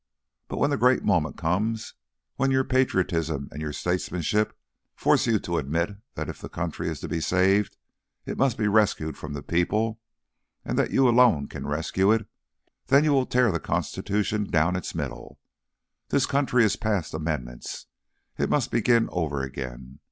But when the great moment comes, when your patriotism and your statesmanship force you to admit that if the country is to be saved it must be rescued from the people, and that you alone can rescue it, then you will tear the Constitution down its middle. This country is past amendments. It must begin over again.